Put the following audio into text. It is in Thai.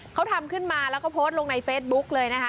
เขาทำขึ้นมาแล้วก็โพสต์ลงในเฟซบุ๊กเลยนะคะ